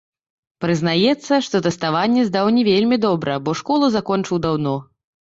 Прызнаецца, што тэставанне здаў не вельмі добра, бо школу закончыў даўно.